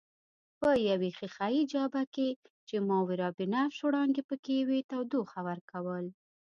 په یوې ښیښه یي جابه کې چې ماورابنفش وړانګې پکښې وې تودوخه ورکول.